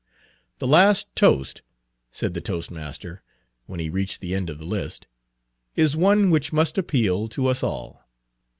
Page 19 "The last toast," said the toast master, when he reached the end of the list, "is one which must appeal to us all.